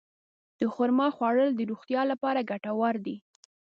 د خرما خوړل د روغتیا لپاره ګټور دي.